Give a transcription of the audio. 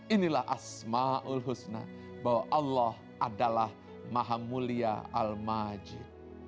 inilah asma'ul husna bahwa allah adalah maha mulia al majid